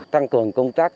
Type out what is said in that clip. tăng cường công tác